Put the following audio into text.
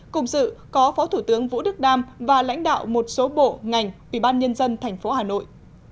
cùng sự có phó thủ tướng vũ đức đam và lãnh đạo một số bộ ngành ubnd tp hà nội